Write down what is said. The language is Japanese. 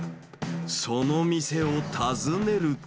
その店を訪ねると。